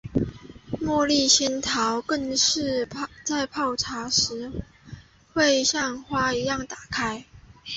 茉莉仙桃更是在泡茶时会像花一样打开。